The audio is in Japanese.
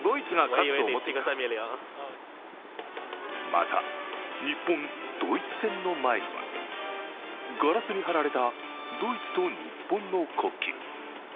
また日本・ドイツ戦の前にはガラスに貼られたドイツと日本の国旗。